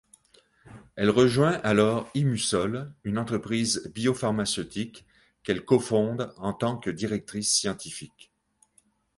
Elle rejoint alors Immusol, une entreprise biopharmaceutique qu'elle cofonde, en tant que directrice scientifique.